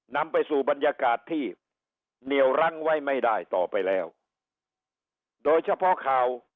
นำไปสู่บรรยากาศที่เหนียวรั้งไว้ไม่ได้ต่อไปแล้วโดยเฉพาะข่าว